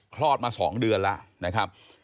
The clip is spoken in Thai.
คลอดมา๒เดือนแล้ว